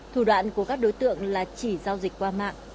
thủ đoạn của các đối tượng là chỉ giao dịch qua mạng